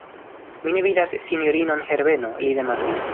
Mi ne vidas sinjorinon Herbeno, li demandis.